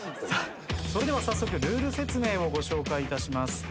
それでは早速ルール説明をご紹介いたします。